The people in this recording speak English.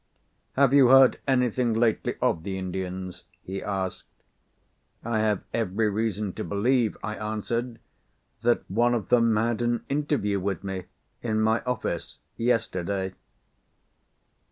"Have you heard anything, lately, of the Indians?" he asked. "I have every reason to believe," I answered, "that one of them had an interview with me, in my office, yesterday."